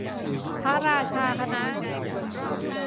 พระราชาคณะ